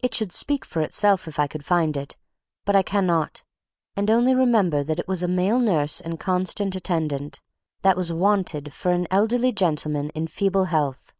It should speak for itself if I could find it, but I cannot, and only remember that it was a "male nurse and constant attendant" that was "wanted for an elderly gentleman in feeble health."